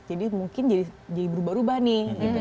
jadi mungkin jadi berubah ubah nih gitu kan